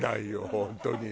本当に。